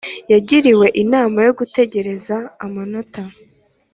Yagiriwe inama yo gutegereza amanota